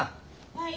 ・はい。